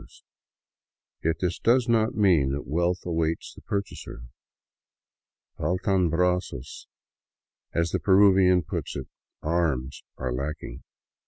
Yet this does not mean that wealth awaits the purchaser. " Faltan brazos," as the Peruvian puts it ;" arms " are lacking.